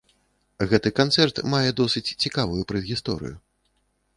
Гэты канцэрт мае досыць цікавую перадгісторыю.